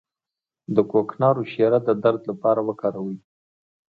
د کوکنارو شیره د درد لپاره وکاروئ